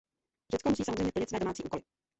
Řecko musí samozřejmě plnit své domácí úkoly.